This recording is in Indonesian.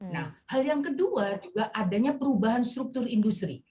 nah hal yang kedua juga adanya perubahan struktur industri